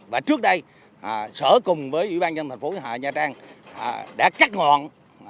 và trước đây sở cùng với ủy ban nhân thành phố nhà trang đã cắt ngọn